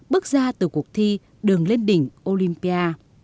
bước ra từ cuộc thi đường lên đỉnh olympia